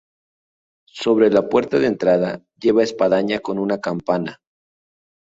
Sobre la puerta de entrada lleva espadaña con una campana.